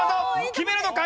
決めるのか？